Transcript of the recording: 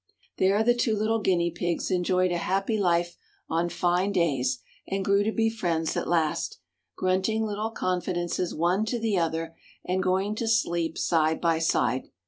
There the two little guinea pigs enjoyed a happy life on fine days and grew to be friends at last, grunting little confidences one to the other and going to sleep side by side.